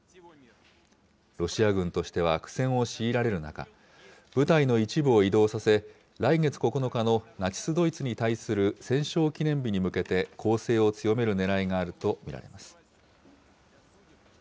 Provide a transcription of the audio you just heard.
ロシア軍としては苦戦を強いられる中、部隊の一部を移動させ、来月９日のナチス・ドイツに対する戦勝記念日に向けて、攻勢を強めるねらいがあると見られます。